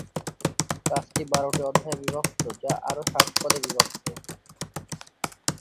কাজটি বারোটি অধ্যায়ে বিভক্ত, যা আরও ষাট পদে বিভক্ত।